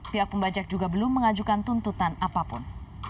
pihak pembajak juga belum mengajukan tuntutan apapun